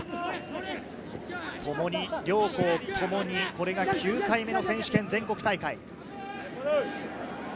共に、両校共にこれが９回目の選手権、全国大会。